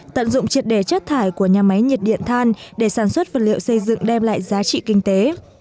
tận dụng triệt đề chất thải của nhà máy nhiệt điện than để sản xuất vật liệu xây dựng đem lại giá trị kinh tế